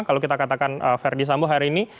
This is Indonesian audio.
kalau kita katakan verdi sambo hari ini